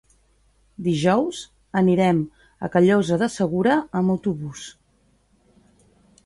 Dijous anirem a Callosa de Segura amb autobús.